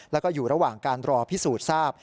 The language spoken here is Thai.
แล้วก็อยู่ระหว่างการรอพิสูจน์ทราบ